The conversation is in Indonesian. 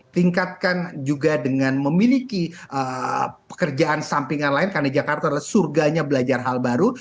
tingkatkan juga dengan memiliki pekerjaan sampingan lain karena jakarta adalah surganya belajar hal baru